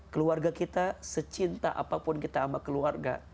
keluarga kita secinta apapun kita sama keluarga